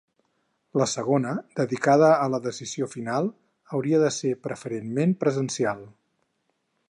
La segona, dedicada a la decisió final, hauria de ser preferentment presencial.